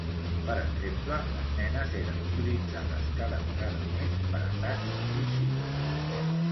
Per exemple, les nenes eren utilitzades cada vegada més per atacs suïcides.